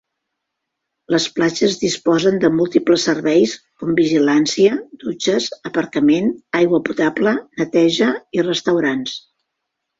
Les platges disposen de múltiples serveis, com vigilància, dutxes, aparcament, aigua potable, neteja i restaurants.